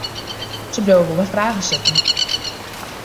Se bliuwe wol mei fragen sitten.